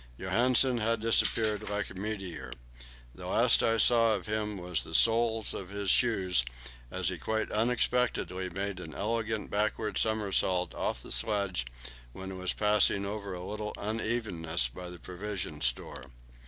Johansen had disappeared like a meteor. The last I saw of him was the soles of his boots, as he quite unexpectedly made an elegant backward somersault off the sledge when it was passing over a little unevenness by the provision store.